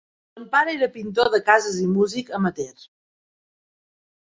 Son pare era pintor de cases i músic amateur.